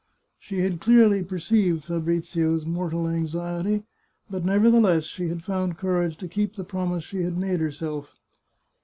She had clearly perceived Fabrizio's mortal anxiety, but, nevertheless, she had found courage to keep the promise she had made herself.